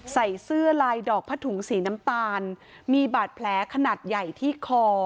ใส่เสื้อลายดอกผ้าถุงสีน้ำตาลมีบาดแผลขนาดใหญ่ที่คอ